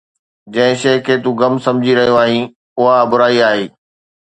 جنهن شيءِ کي تون غم سمجهي رهيو آهين، اها برائي آهي